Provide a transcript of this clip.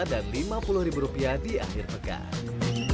dan lima puluh rupiah di akhir pekan